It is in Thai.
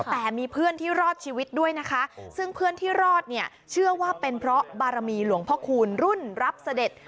แต่มีเพื่อนที่รอดชีวิตด้วยนะคะซึ่งเพื่อนที่รอดเนี่ยเชื่อว่าเป็นเพราะบารมีหลวงพ่อคูณรุ่นรับเสด็จ